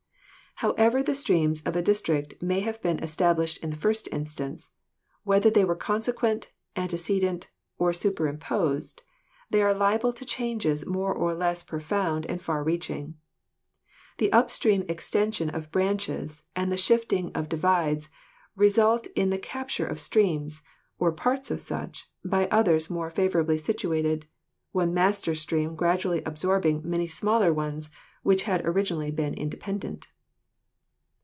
However the streams of a district may have been estab lished in the first instance, whether they were consequent, antecedent or superimposed, they are liable to changes more or less profound and far reaching. The up stream extension of branches and the shifting of divides result in the capture of streams, or parts of such, by others more favorably situated, one master stream gradually absorbing many smaller ones which had originally been independent.